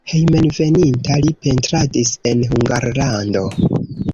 Hejmenveninta li pentradis en Hungarlando.